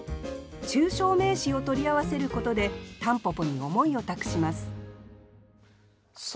抽象名詞を取り合わせることで蒲公英に思いを託しますさあ